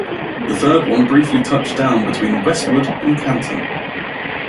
The third one briefly touched down between Westwood and Canton.